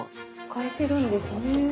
変えてるんですね。